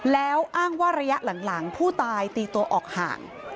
แล้วอ้างว่าระยะหลังผู้ตายตีตัวออกห่าง